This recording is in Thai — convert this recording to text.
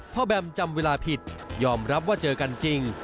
แบมจำเวลาผิดยอมรับว่าเจอกันจริง